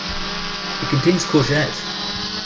It contains courgette.